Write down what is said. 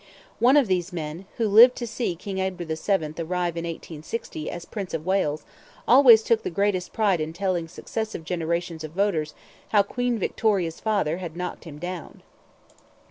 One of these men, who lived to see King Edward VII arrive in 1860, as Prince of Wales, always took the greatest pride in telling successive generations of voters how Queen Victoria's father had knocked him down.